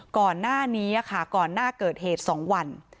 ก่อนหน้านี้ค่ะก่อนหน้าเกิดเหตุ๒วัน